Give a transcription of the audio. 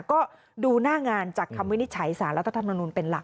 ก็ดูหน้างานจากคำวินิจฉัยสารรัฐธรรมนุนเป็นหลัก